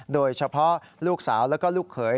โดยเฉพาะลูกสาวแล้วก็ลูกเขย